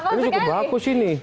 ini cukup bagus ini